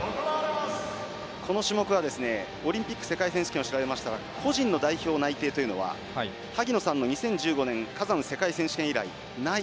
この種目はオリンピック世界選手権を調べたら個人の代表内定というのは萩野さんの２０１５年の世界選手権以来ない。